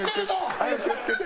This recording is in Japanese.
あゆ気を付けて。